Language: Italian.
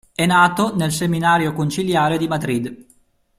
È nato nel Seminario conciliare di Madrid.